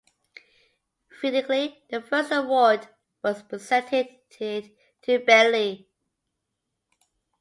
Fittingly, the first award was presented to Bailey.